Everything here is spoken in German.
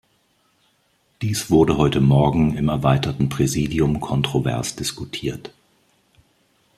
Dies wurde heute Morgen im erweiterten Präsidium kontrovers diskutiert.